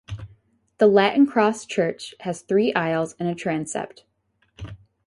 The Latin-cross church has three aisles and a transept.